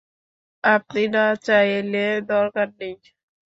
আপনি না চাইলে দরকার নেই।